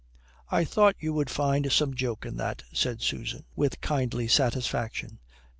"I thought you would find some joke in that," said Susan, with kindly satisfaction.